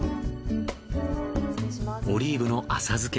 オリーブの浅漬け